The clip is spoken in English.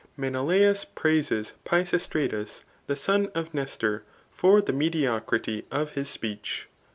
Menelaus praises Pisistratus, the son of Nestor, for the mediocrity of his speech.